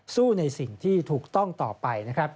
สู้ในสิ่งที่ถูกต้องต่อไป